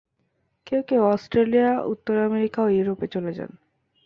কেউ কেউ অস্ট্রেলিয়া, উত্তর আমেরিকা ও ইউরোপে চলে যান।